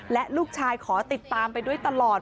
และลูกชายขอติดตามไปด้วยตลอด